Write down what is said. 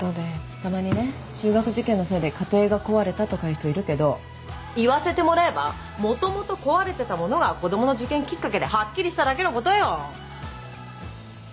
たまにね中学受験のせいで家庭が壊れたとか言う人いるけど言わせてもらえば元々壊れてたものが子供の受験きっかけではっきりしただけのことよ！